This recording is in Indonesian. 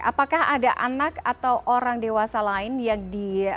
apakah ada anak atau orang dewasa lain yang di